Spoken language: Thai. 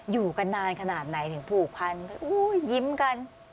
อยู่กันนานขนาดไหนถึงผูกพันยิ้มกัน